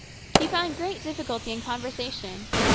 He found great difficulty in conversation.